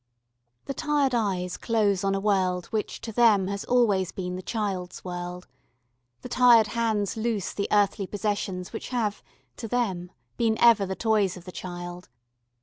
The tired eyes close on a world which to them has always been the child's world, the tired hands loose the earthly possessions which have, to them, been ever the toys of the child.